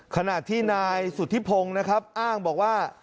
ขณะที่นายสุธิพงศ์นะครับอ้างบอกว่า